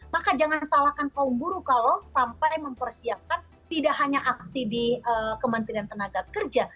maka jangan salahkan kaum buruh kalau sampai mempersiapkan tidak hanya aksi di kementerian tenaga kerja